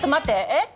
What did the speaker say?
えっ？